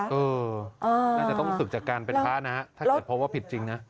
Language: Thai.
เออน่าจะต้องศึกจากการเป็นพระนะถ้าเกิดพบว่าผิดจริงนะ